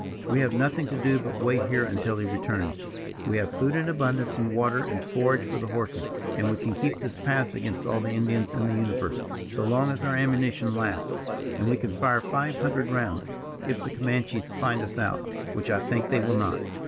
"We have nothing to do but to wait here until he returns. We have food in abundance; and water and forage for the horses, and we can keep this pass against all the Indians in the universe, so long as our ammunition lasts and we can fire five hundred rounds, if the Comanches find us out, which I think they will not.